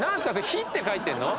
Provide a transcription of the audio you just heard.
「火」って書いてるの？